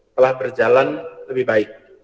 telah berjalan lebih baik